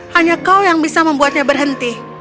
hanya kau yang bisa membuatnya berhenti